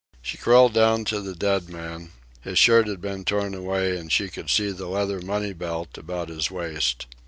She crawled down to the dead man. His shirt had been torn away, and she could see the leather money belt about his waist.